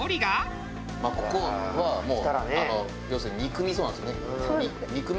ここはもう要するに肉みそなんですよね。